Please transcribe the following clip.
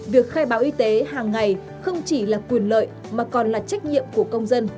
việc khai báo y tế hàng ngày không chỉ là quyền lợi mà còn là trách nhiệm của công dân